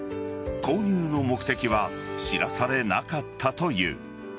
購入の目的は知らされなかったという。